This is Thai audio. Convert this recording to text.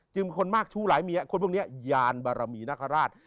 จึงเป็นคนมากชู้หลายเมียคนพวกนี้ยานบรมีนครราช